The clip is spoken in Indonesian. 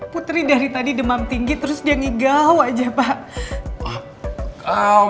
putri dari tadi demam tinggi terus dia ngegal aja pak